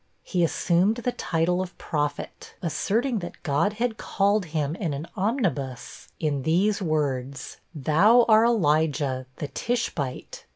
He assumed the title of Prophet, asserting that God had called him in an omnibus, in these words: 'Thou are Elijah, the Tishbite.